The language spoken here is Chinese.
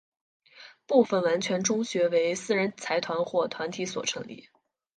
部分完全中学为私人财团或团体所成立。